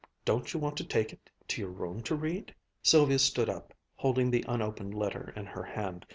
Don't you want to take it to your room to read?" Sylvia stood up, holding the unopened letter in her hand.